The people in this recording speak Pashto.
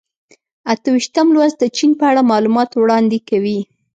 اته ویشتم لوست د چین په اړه معلومات وړاندې کوي.